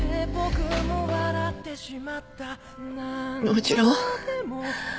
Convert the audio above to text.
もちろん。